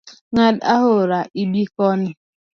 Ng’ad aora ibi koni.